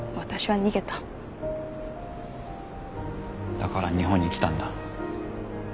だから日本に来たんだ。